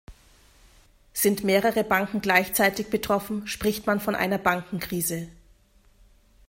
Sind mehrere Banken gleichzeitig betroffen, spricht man von einer Bankenkrise.